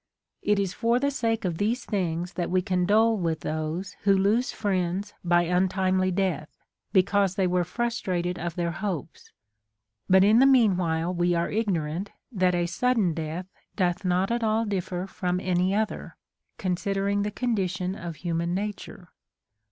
It is for the sake of these things that we condole Λνΐΐΐι those who lose friends by untimely death, because they were frustrated of their hopes ; but in the meanΛvhίle we are ignorant that a sudden death doth not at all differ from any other, considering the condition of human nature.